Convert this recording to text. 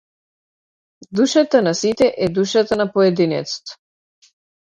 Душата на сите е душата на поединецот.